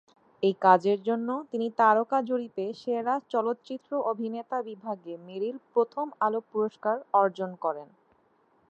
এই কাজের জন্য তিনি তারকা জরিপে সেরা চলচ্চিত্র অভিনেতা বিভাগে মেরিল-প্রথম আলো পুরস্কার অর্জন করেন।